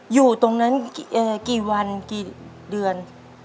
อยู่ตรงนั้นกี่วันกี่เดือน